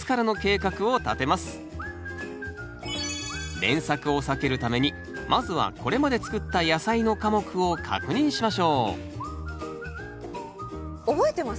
連作を避けるためにまずはこれまで作った野菜の科目を確認しましょう覚えてます？